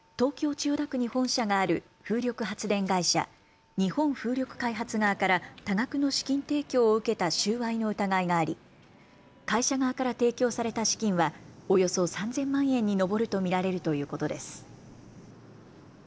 千代田区に本社がある風力発電会社、日本風力開発側から多額の資金提供を受けた収賄の疑いがあり会社側から提供された資金はおよそ３０００万円に上ると見られるということです。